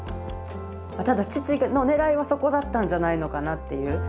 ただ父のねらいはそこだったんじゃないのかなっていう。